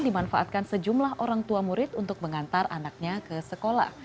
dimanfaatkan sejumlah orang tua murid untuk mengantar anaknya ke sekolah